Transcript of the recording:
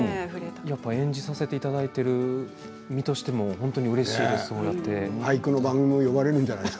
演じさせていただいてる身としてもすごいうれしいです。